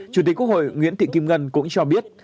chủ tịch quốc hội nguyễn thị kim ngân cũng cho biết